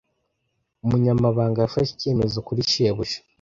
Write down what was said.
Umunyamabanga yafashe icyemezo kuri shebuja.